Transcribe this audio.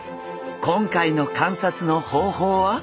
今回の観察の方法は。